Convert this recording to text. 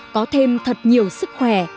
có thêm thật nhiều sức khỏe